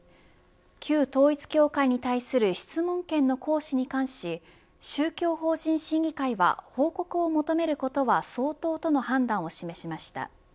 旧統一教会に対する質問権の行使に関し宗教法人審議会は報告を求めることは相当との判断を示しました。